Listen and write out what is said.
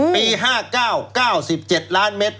ปี๕๙๙๗ล้านเมตร